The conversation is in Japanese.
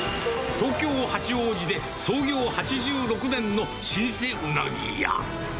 東京・八王子で、創業８６年の老舗うなぎ屋。